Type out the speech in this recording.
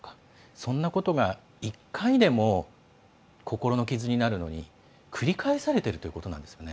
そんなことが、１回でも心の傷になるのに繰り返されているということなんですよね。